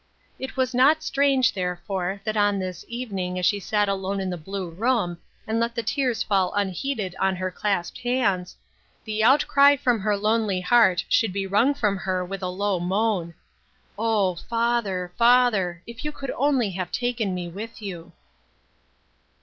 It was not strange, therefore, that on this even ing as she sat alone in the blue room, and let the tears fall unheeded on her clasped hands, the out cry from her lonely heart should be wrung from her with a low moan :" O, father, father ! if you could only have taken me with you."